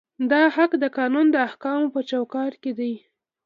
دا حق د قانون د احکامو په چوکاټ کې دی.